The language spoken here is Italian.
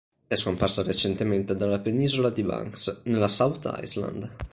È scomparsa recentemente dalla penisola di Banks, nella South Island.